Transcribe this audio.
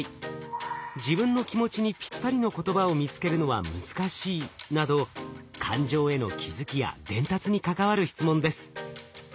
自分の気持ちにぴったりの言葉を見つけるのは難しいなど感情への気づきや伝達に関わる質問です。